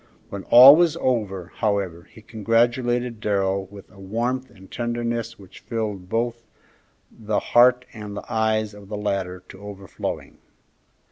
When all was over, however, he congratulated Darrell with a warmth and tenderness which filled both the heart and the eyes of the latter to overflowing.